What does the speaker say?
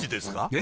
え？